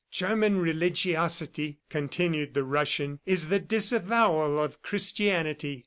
"German religiosity," continued the Russian, "is the disavowal of Christianity.